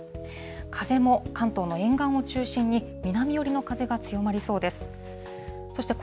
風も関東の沿岸を中心に南寄りの風が強まりそうです。